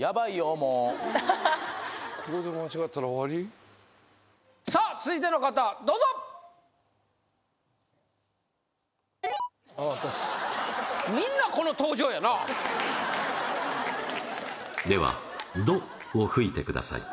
もうさあ続いての方どうぞああトシではドを吹いてください